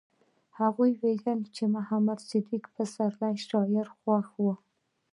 هغې وویل چې د محمد صدیق پسرلي شاعري خوښوي